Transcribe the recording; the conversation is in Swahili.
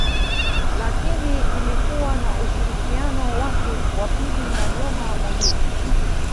Lakini ilikuwa na ushirikiano wake wa pili na Nyoma Moyib